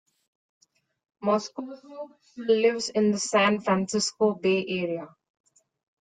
Moscoso still lives in the San Francisco Bay Area.